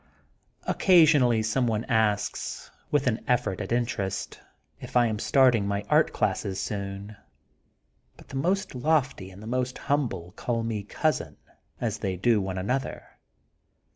Occasionally some one asks, witli an effort at interest, if I am starting my art classes soon. But the most lofty and the most humble call me *' cousin,*' as they do one another.